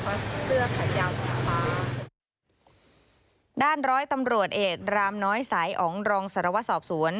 เพราะว่าเสื้อถัดยาวสามารถด้านร้อยตำรวจเอกรามน้อยสายอองรองสรวสอบสวน